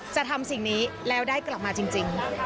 ทำสิ่งนี้แล้วได้กลับมาจริง